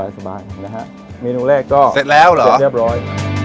สบายนะฮะเมนูแรกก็เสร็จแล้วเหรอเสร็จเรียบร้อย